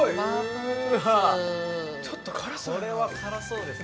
これは辛そうですね。